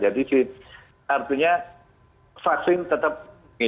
jadi artinya vaksin tetap ini